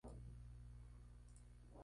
Espectáculo Poe-danza.